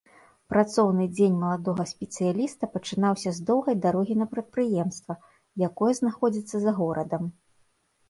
Працоўны дзень маладога спецыяліста пачынаўся з доўгай дарогі на прадпрыемства, якое знаходзіцца за горадам.